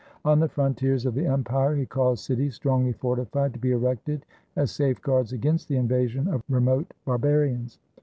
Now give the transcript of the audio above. On the frontiers of the empire he caused cities, strongly fortified, to be erected as safe guards against the invasion of remote barbarians.